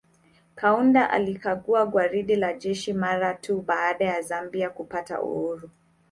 Kaunda alikagua gwaride la jeshi mara tu baada ya Zambia kupata uhuru